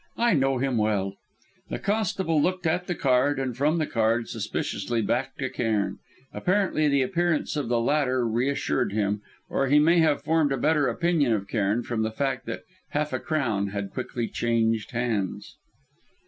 I know him well " The constable looked at the card and from the card, suspiciously, back to Cairn. Apparently the appearance of the latter reassured him or he may have formed a better opinion of Cairn, from the fact that half a crown had quickly changed hands.